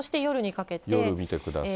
夜見てください。